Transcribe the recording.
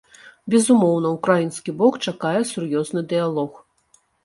Безумоўна, украінскі бок чакае сур'ёзны дыялог.